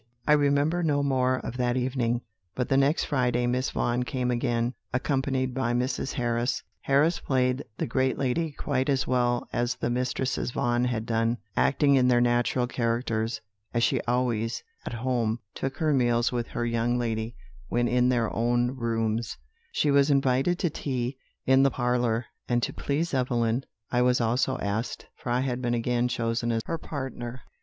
"I remember no more of that evening; but the next Friday Miss Vaughan came again, accompanied by Mrs. Harris. "Harris played the great lady quite as well as the Mistresses Vaughan had done, acting in their natural characters; as she always, at home, took her meals with her young lady when in their own rooms, she was invited to tea in the parlour; and to please Evelyn, I was also asked, for I had been again chosen as her partner.